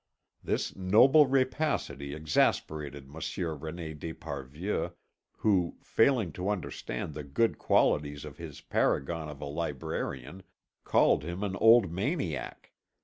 This noble rapacity exasperated Monsieur René d'Esparvieu, who, failing to understand the good qualities of his paragon of a librarian, called him an old maniac.